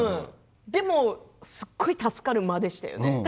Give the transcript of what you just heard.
でもすごい助かる間でしたよね。